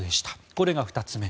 これが２つ目。